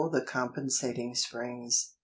THE compensating springs !